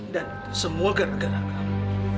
dan itu semua gara gara kamu